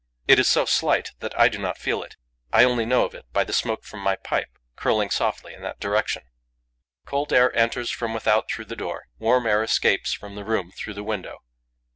It is so slight that I do not feel its; I only know of it by the smoke from my pipe, curling softly in that direction. Cold air enters from without through the door; warm air escapes from the room through the window.